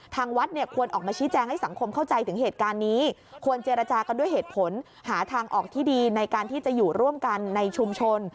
ทางวัดเนี่ยควรออกมาชี้แจงให้สังคมเข้าใจถึงเหตุการณ์นี้ควรเจรจากันด้วยเหตุผลหาทางออกที่ดีในการที่จะอยู่ร่วมกันในชุมชน